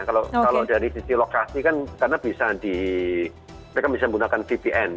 kalau dari sisi lokasi kan karena bisa di mereka bisa menggunakan vpn